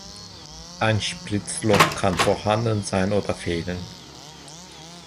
Ein Spritzloch kann vorhanden sein oder fehlen.